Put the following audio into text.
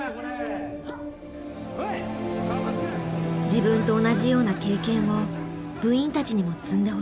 自分と同じような経験を部員たちにも積んでほしい。